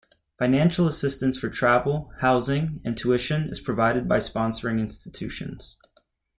Financial assistance for travel, housing, and tuition is provided by sponsoring institutions.